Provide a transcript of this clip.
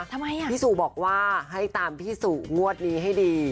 ทำไมอ่ะพี่สู่บอกว่าให้ตามพี่สู่งวดนี้ให้ดี